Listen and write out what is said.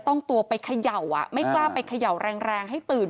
ต้องตัวไปเขย่าไม่กล้าไปเขย่าแรงให้ตื่น